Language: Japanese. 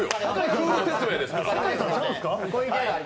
ルール説明ですから。